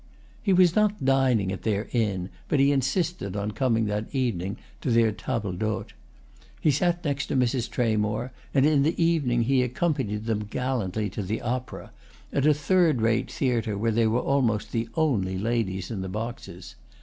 He was not dining at their inn, but he insisted on coming that evening to their table d'hôte. He sat next Mrs. Tramore, and in the evening he accompanied them gallantly to the opera, at a third rate theatre where they were almost the only ladies in the boxes.